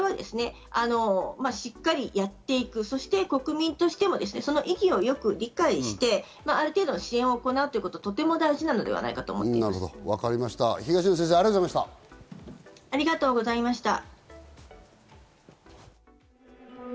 しっかりやっていく、そして国民としてもその意義を理解して、ある程度の支援を行うということはとても大東野先生、ありがとうございました。